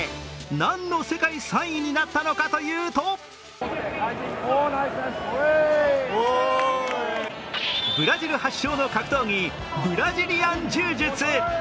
何の世界３位になったのかというとブラジル発祥の格闘技ブラジリアン柔術。